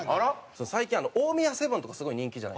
最近大宮セブンとかすごい人気じゃないですか。